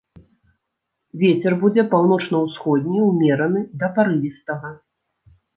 Вецер будзе паўночна-ўсходні ўмераны да парывістага.